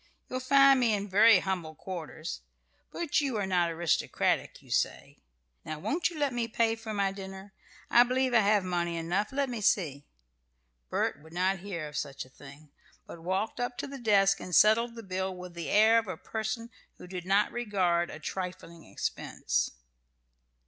You'll find me in very humble quarters; but you are not aristocratic, you say. Now won't you let me pay for my dinner? I believe I have money enough. Let me see." Bert would not hear of such a thing, but walked up to the desk and settled the bill with the air of a person who did not regard a trifling expense.